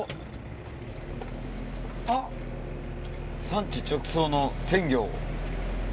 産地直送の鮮魚。